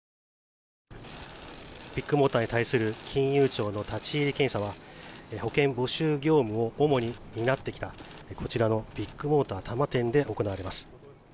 ビッグモーターに対する金融庁の立ち入り検査が保険募集業務を主に担ってきたこちらのビッグモーター多摩店で行われます。